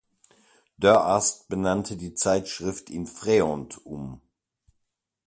Dörrast benannte die Zeitschrift in "Freond" um.